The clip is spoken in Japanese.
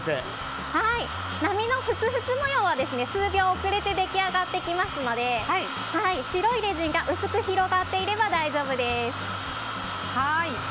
波のふつふつ模様は数秒遅れて出来上がってきますので白いレジンが薄く広がっていれば大丈夫です。